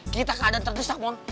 kita keadaan terdesak mohon